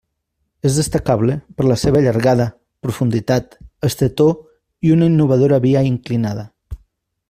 És destacable per la seva llargada, profunditat, estretor i una innovadora via inclinada.